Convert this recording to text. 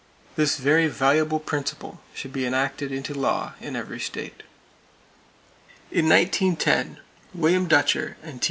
This very valuable principle should be enacted into law in every state! [Page 291] In 1910, William Dutcher and T.